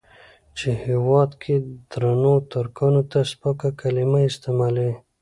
چې هېواد کې درنو ترکانو ته سپکه کليمه استعمالوي.